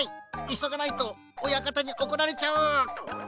いそがないとおやかたにおこられちゃう！